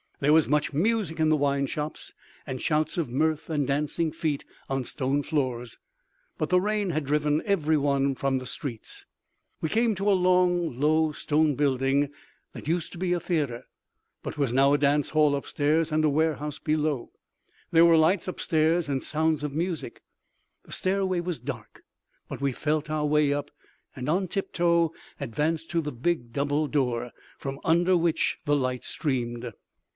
There was much music in the wine shops and shouts of mirth and dancing feet on stone floors, but the rain had driven every one from the streets. We came to a long, low, stone building that used to be a theater, but was now a dance hall upstairs and a warehouse below. There were lights upstairs and sounds of music. The stairway was dark, but we felt our way up and on tiptoe advanced to the big double door, from under which the light streamed.